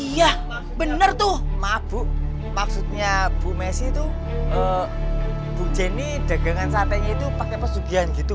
iya bener tuh mabuk maksudnya bu messi tuh bu jenny dagangan satenya itu pakai pesugian gitu